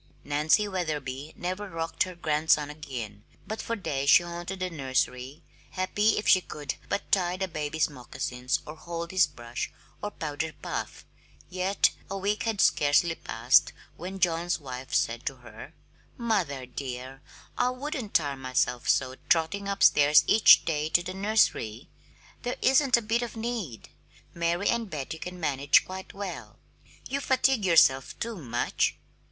Nancy Wetherby never rocked her grandson again, but for days she haunted the nursery, happy if she could but tie the baby's moccasins or hold his brush or powder puff; yet a week had scarcely passed when John's wife said to her: "Mother, dear, I wouldn't tire myself so trotting upstairs each day to the nursery. There isn't a bit of need Mary and Betty can manage quite well. You fatigue yourself too much!"